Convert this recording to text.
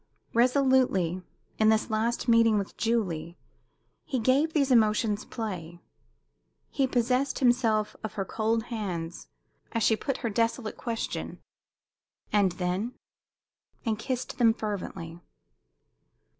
Resolutely, in this last meeting with Julie, he gave these emotions play. He possessed himself of her cold hands as she put her desolate question "And then?" and kissed them fervently.